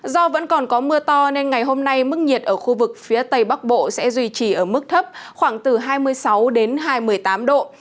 do vẫn còn có mưa to nên ngày hôm nay mức nhiệt ở khu vực phía tây bắc bộ sẽ duy trì ở mức thấp khoảng từ hai mươi sáu đến hai mươi tám độ